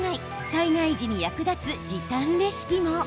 災害時に役立つ時短レシピも。